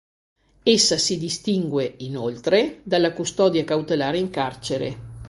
Essa si distingue, inoltre, dalla custodia cautelare in carcere.